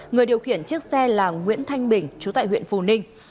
người điều khiển chiếc xe là nguyễn thanh bình chú tại huyện phù ninh